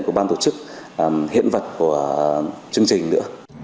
của các bạn tổ chức hiện vật của chương trình nữa